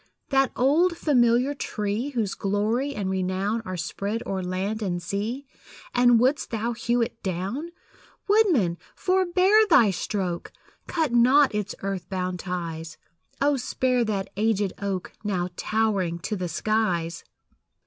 That old familiar tree, Whose glory and renown Are spread o'er land and sea And wouldst thou hew it down? Woodman, forebear thy stroke! Cut not its earth bound ties; Oh, spare that aged oak, Now towering to the skies!